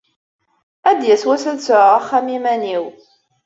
Ad d-yas wass ad sɛuɣ axxam iman-iw.